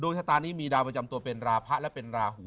ชะตานี้มีดาวประจำตัวเป็นราพะและเป็นราหู